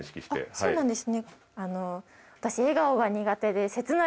そうなんですね。